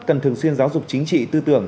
cần thường xuyên giáo dục chính trị tư tưởng